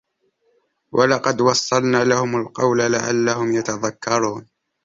وَلَقَد وَصَّلنا لَهُمُ القَولَ لَعَلَّهُم يَتَذَكَّرونَ